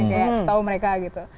kayak setahu mereka gitu